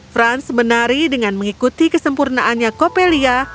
franz menari dengan mengikuti kesempurnaannya coppelia